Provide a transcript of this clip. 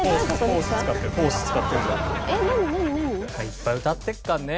いっぱい歌ってるからね。